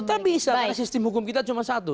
kita bisa karena sistem hukum kita cuma satu